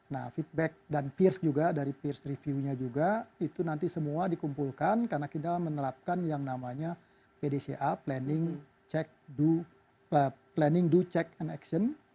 nah feedback dan peers juga dari peers review nya juga itu nanti semua dikumpulkan karena kita menerapkan yang namanya pdca planning cek do planning do check and action